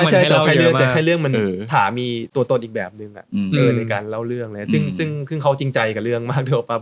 ไม่ใช่เรื่องแต่แค่เรื่องมันถามีตัวตนอีกแบบนึงในการเล่าเรื่องอะไรซึ่งเขาจริงใจกับเรื่องมากเถอะปั๊